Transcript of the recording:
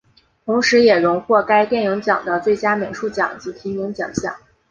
同时也荣获该电影奖的最佳美术奖及提名奖项。